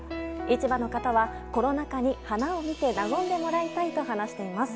市場の方は、コロナ禍に花を見てなごんでもらいたいと話しています。